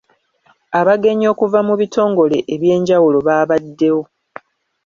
Abagenyi okuva mu bitongole eby’enjawulo baabaddewo.